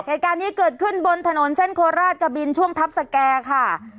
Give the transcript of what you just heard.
เหตุการณ์นี้เกิดขึ้นบนถนนเส้นโคราชกะบินช่วงทัพสแก่ค่ะ